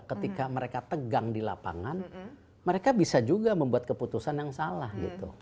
ketika mereka tegang di lapangan mereka bisa juga membuat keputusan yang salah gitu